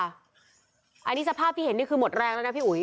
อันนี้สภาพที่เห็นนี่คือหมดแรงแล้วนะพี่อุ๋ย